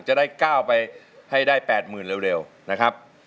จะได้ก้าวไปให้ได้๘๐๐๐เร็วนะครับ